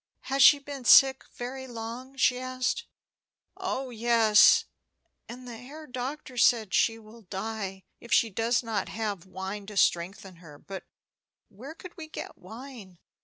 "Has she been sick very long?" she asked. "Oh yes; and the Herr Doctor says she will die if she does not have wine to strengthen her. But where could we get wine?